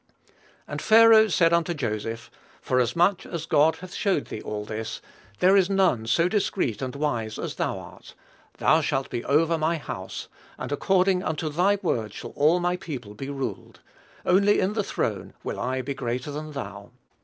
"And Pharaoh said unto Joseph, Forasmuch as God hath showed thee all this, there is none so discreet and wise as thou art: thou shalt be over my house, and according unto thy word shall all my people be ruled: only in the throne will I be greater than thou.